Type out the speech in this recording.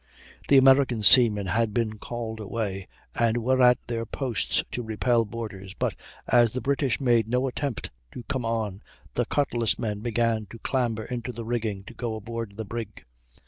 The American seamen had been called away, and were at their posts to repel boarders, but as the British made no attempt to come on, the cutlass men began to clamber into the rigging to go aboard the brig.